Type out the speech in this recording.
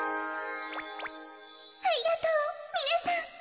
ありがとうみなさん。